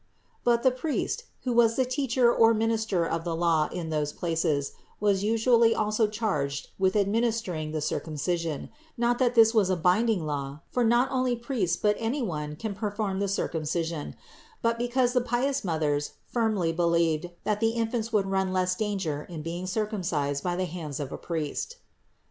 But the priest, who was the teacher or minister of the law in those places, was usually also charged with administering the circumcision ; not that this was a binding law, for not only priests but any one could perform the circumcision ; but because the pious mothers firmly believed that the infants would run less danger in being circumcised by the hands of a priest.